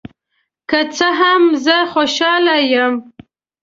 که څه هم، زه خوشحال یم.